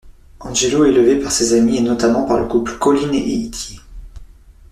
Angelot est élevé par ses amis, et notamment par le couple Coline et Ythier.